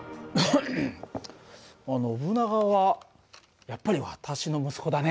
ノブナガはやっぱり私の息子だね。